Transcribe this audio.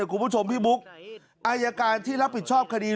คุณผู้ชมพี่บุ๊คอายการที่รับผิดชอบคดี